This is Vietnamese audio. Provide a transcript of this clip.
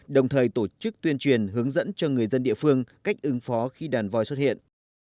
đồng thời tổ chức tuyên truyền hướng dẫn cho người dân địa phương cách ứng phó khi đàn voi xuất hiện